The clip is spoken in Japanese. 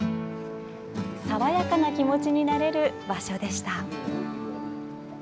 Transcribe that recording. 爽やかな気持ちになれる場所でした。